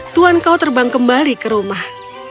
tuhan kau terbang kembali ke rumah